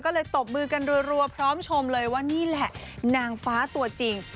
ก็เลยตบมือกันรัวพร้อมชมเลยว่านี่แหละนางฟ้าตัวจริง